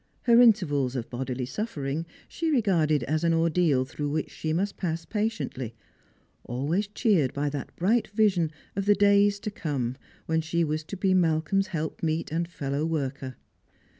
Her intervals of bodily suffering she regarded as an ordeal through which she must pass patiently, always cheered by that bright vision of the days to come, when she was to be Malcolm's helpmeet and fellow worker.